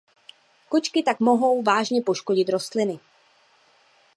Kočky tak mohou vážně poškodit rostliny.